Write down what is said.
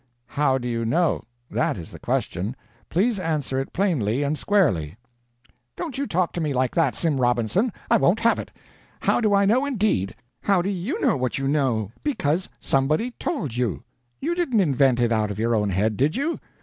"How do you know? That is the question. Please answer it plainly and squarely." "Don't you talk to me like that, Sim Robinson I won't have it. How do I know, indeed! How do YOU know what you know? Because somebody told you. You didn't invent it out of your own head, did you?